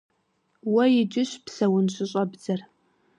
Уэ иджыщ псэун щыщӏэбдзэр.